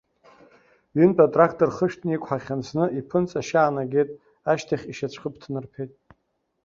Ҩынтә атрактор хышәҭны иқәҳахьан, зны иԥынҵа ашьа аанагеит, ашьахь ишьацәхыԥ ҭнарԥеит.